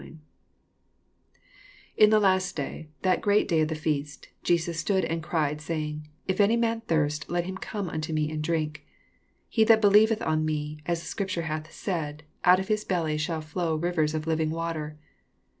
37 In the last day, that great day ct the feast, Jesus stood and eried, ■aying, If any man thirst, let him eome unto me, and drink. 38 He that believeth on me, as the Bcripture hath said, oat of his belly shall flow rivers of living water.